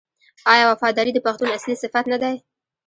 آیا وفاداري د پښتون اصلي صفت نه دی؟